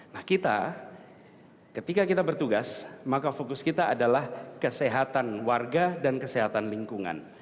nah kita ketika kita bertugas maka fokus kita adalah kesehatan warga dan kesehatan lingkungan